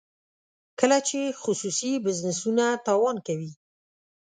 کله چې خصوصي بزنسونه تاوان کوي.